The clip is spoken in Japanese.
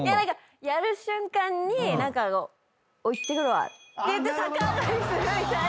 やる瞬間に「俺いってくるわ」って言って逆上がりするみたいな。